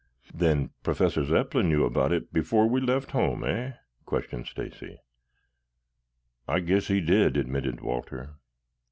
"Then Professor Zepplin knew about it before we left home, eh?" questioned Stacy. "I guess he did," admitted Walter.